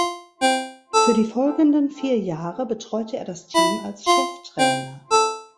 Für die folgenden vier Jahre betreute er das Team als Cheftrainer.